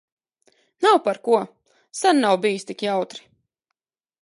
Nav par ko. Sen nav bijis tik jautri.